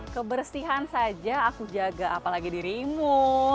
kebersihan saja aku jaga apalagi dirimu